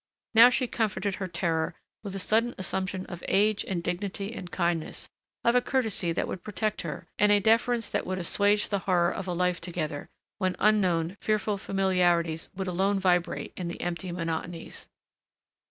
Now she comforted her terror with a sudden assumption of age and dignity and kindness, of a courtesy that would protect her and a deference that would assuage the horror of a life together, when unknown, fearful familiarities would alone vibrate in the empty monotonies.